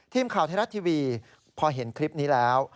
ทีมข่าวไทยรัฐทีวีพอเห็นคลิปนี้แล้ว